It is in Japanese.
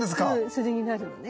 それになるのね。